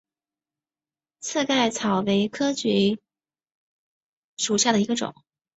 刺盖草为菊科蓟属下的一个种。